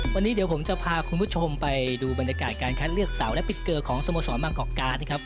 วันนี้เดี๋ยวผมจะพาคุณผู้ชมไปดูบรรยากาศการคัดเลือกเสาร์และปิดเกอร์ของสโมสรบางกอกกานะครับ